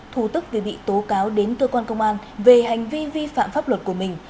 thủ tức vì bị tố cáo đến cơ quan công an về hành vi vi phạm pháp luật của mình